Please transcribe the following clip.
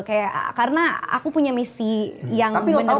kayak karena aku punya misi yang bener bener ini